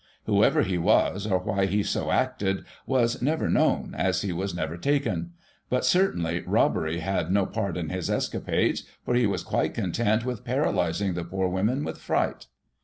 Whoever he was, or why he so acted, was never known, as he was never taken ; but, certainly, robbery had no part in his escapades, for he was quite content with paralysing the poor women with fright.